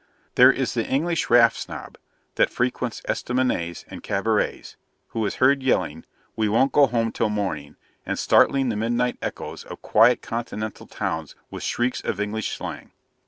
There is the English Raff Snob, that frequents ESTAMINETS and CABARETS; who is heard yelling, 'We won't go home till morning!' and startling the midnight echoes of quiet Continental towns with shrieks of English slang.